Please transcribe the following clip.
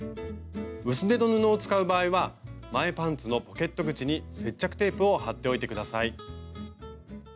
薄手の布を使う場合は前パンツのポケット口に接着テープを貼っておいて下さい。